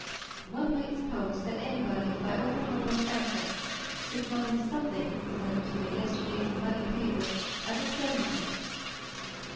One might suppose that anybody, by overhauling his assets, could find some thing equivalent to a yesterday's muddy paper as a starting point.